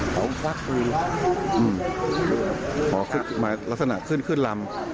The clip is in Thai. ผมพักปืนอ๋อหมายลักษณะขึ้นลำ